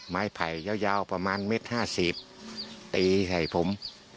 ไม้ไผ่ยาวประมาณ๑๕๐มตีให้ผม